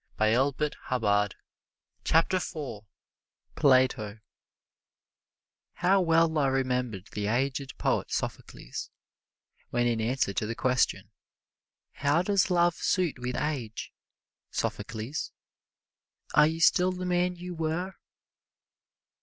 [Illustration: PLATO] PLATO How well I remember the aged poet Sophocles, when in answer to the question, "How does love suit with age, Sophocles are you still the man you were?"